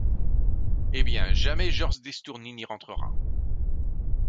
Eh ! bien, jamais Georges d’Estourny n’y rentrera.